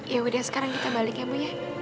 ya udah sekarang kita balik ya bu